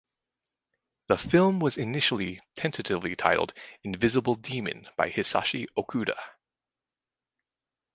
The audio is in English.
The film was initially tentatively titled "Invisible Demon" by Hisashi Okuda.